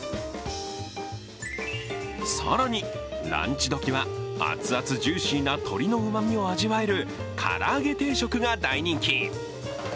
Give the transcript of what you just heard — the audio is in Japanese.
更に、ランチ時は熱々ジューシーな鶏のうまみを味わえる唐揚げ定食が大人気。